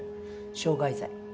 傷害罪。